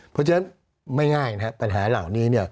เพราะฉะนั้นไม่ง่ายนะครับปัญหาเหล่านี้